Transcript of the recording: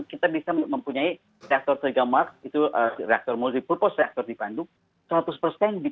kita bisa mempunyai reaktor tiga mark itu reaktor multi purpose reaktor di bandung